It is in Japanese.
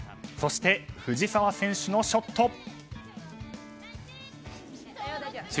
そして藤澤選手のショット。